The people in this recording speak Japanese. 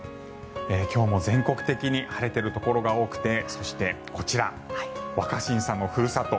今日も全国的に晴れているところが多くてそして、こちら若新さんのふるさと